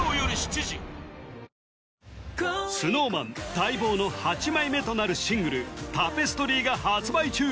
待望の８枚目となるシングル「タペストリー」が発売中